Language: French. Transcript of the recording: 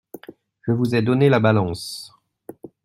Je vous ai donné la balance ?